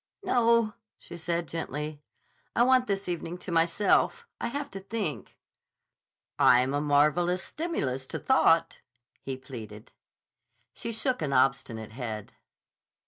"No," she said gently. "I want this evening to myself. I have to think." "I'm a marvelous stimulus to thought," he pleaded. She shook an obstinate head.